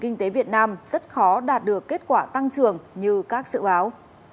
kinh tế việt nam rất khó đạt được kết quả tăng trường như các sự báo